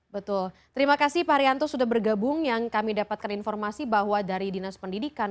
betul terima kasih pak haryanto sudah bergabung yang kami dapatkan informasi bahwa dari dinas pendidikan